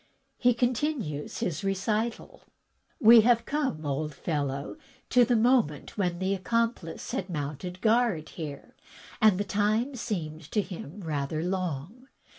he continues his recital: "We have come, old fellow, to the moment when the accomplice had moimted guard here, and the time seemed to him rather long.